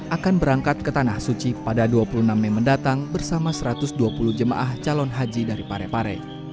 akan berangkat ke tanah suci pada dua puluh enam mei mendatang bersama satu ratus dua puluh jemaah calon haji dari parepare